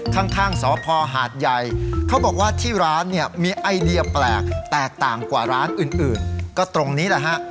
ข้างสพหาดใหญ่เขาบอกว่าที่ร้านเนี่ยมีไอเดียแปลกแตกต่างกว่าร้านอื่นก็ตรงนี้แหละฮะ